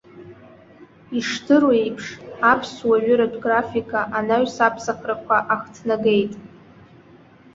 Ишдыру еиԥш, аԥсуа ҩыратә графика анаҩс аԥсахрақәа ахҭнагеит.